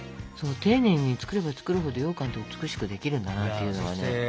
丁寧に作れば作るほどようかんって美しくできるんだなっていうのがね。